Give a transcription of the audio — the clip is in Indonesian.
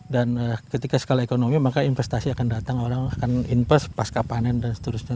dan ketika skala ekonomi maka investasi akan datang orang akan invest pasca panen dan seterusnya